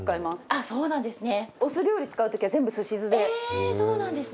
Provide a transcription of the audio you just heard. ああそうなんですね。